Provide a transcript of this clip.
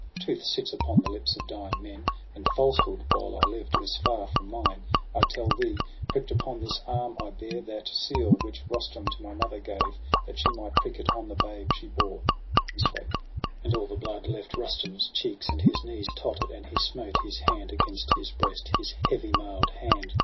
Truth sits upon the lips of dying men, And falsehood, while I lived, was far from mine. 112 SOHRAB AND RUSTUM. I tell thee, prick'd upon this arm I bear That seal which Rustum to my mother gave, That she might prick it on the babe she bore.' He spoke; and all the blood left Rustum's cheeks, And his knees totter'd, and he smote his hand Against his breast, his heavy mailed hand.